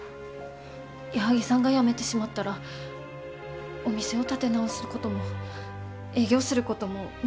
矢作さんが辞めてしまったらお店を立て直すことも営業することも無理だと思います。